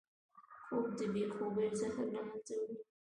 خوب د بې خوبۍ زهر له منځه وړي